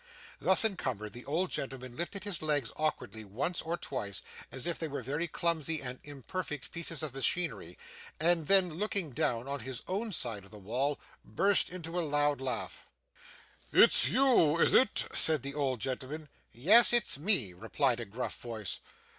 Thus encumbered the old gentleman lifted his legs awkwardly once or twice, as if they were very clumsy and imperfect pieces of machinery, and then looking down on his own side of the wall, burst into a loud laugh. 'It's you, is it?' said the old gentleman. 'Yes, it's me,' replied a gruff voice.